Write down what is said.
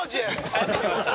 帰ってきました。